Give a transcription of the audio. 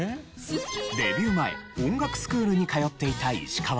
デビュー前音楽スクールに通っていた石川さん。